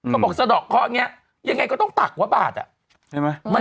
เขาบอกสะดอกเคาะนี้ยังไงก็ต้องตักว่าบาทอ่ะใช่ไหม